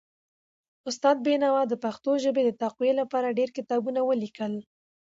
استاد بینوا د پښتو ژبې د تقويي لپاره ډېر کتابونه ولیکل.